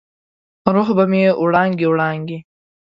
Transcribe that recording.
روح به مې وړانګې، وړانګې،